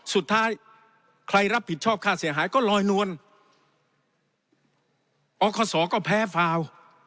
สุดท้ายใครรับผิดชอบค่าเสียหายก็ลอยนวลอคศก็แพ้ฟาว